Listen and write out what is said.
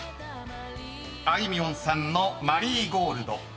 ［あいみょんさんの『マリーゴールド』］